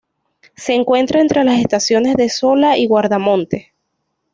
Se encuentra entre las estaciones de Sola y Guardamonte.